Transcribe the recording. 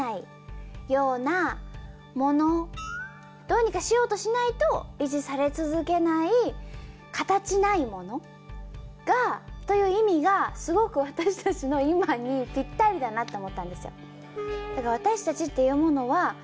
どうにかしようとしないと維持され続けない形ないものがという意味がすごく私たちの今にぴったりだなと思ったんですよ。